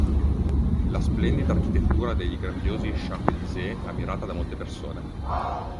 La splendida architettura dei grandiosi "Champs-Élysées" è ammirata da molte persone.